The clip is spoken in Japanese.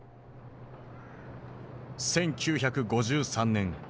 １９５３年。